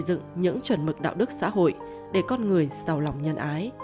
dựng những chuẩn mực đạo đức xã hội để con người giàu lòng nhân ái